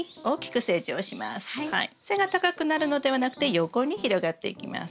背が高くなるのではなくて横に広がっていきます。